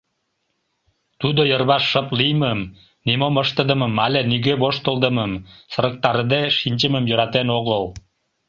Тудо йырваш шып лиймым, нимом ыштыдымым але нигӧ воштылдымым, сырыктарыде шинчымым йӧратен огыл.